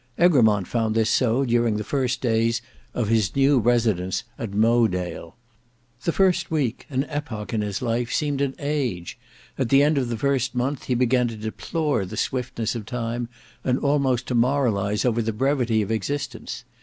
Egremont found this so during the first days of his new residence in Mowedale. The first week, an epoch in his life, seemed an age; at the end of the first month, he began to deplore the swiftness of time and almost to moralize over the brevity of existence.